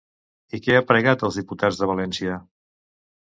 I què ha pregat als diputats de València?